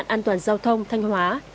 an toàn giao thông thanh hóa